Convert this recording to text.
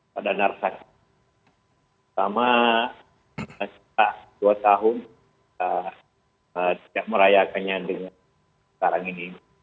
pada nartak pertama kita dua tahun tidak merayakannya dengan sekarang ini